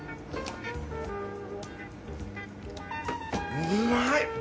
うまい！